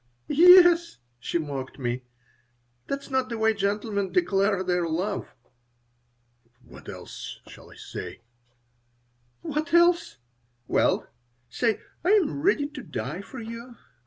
"Yes!" she mocked me. "That's not the way gentlemen declare their love." "What else shall I say?" "What else! Well, say: 'I am ready to die for you.